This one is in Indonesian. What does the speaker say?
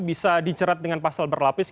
bisa dicerat dengan pasal berlapis